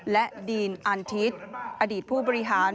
และดีนอันทิศอดีตผู้บริหาร